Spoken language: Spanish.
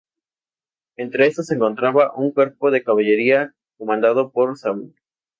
Entre estos se encontraba un cuerpo de caballería comandado por Saúl.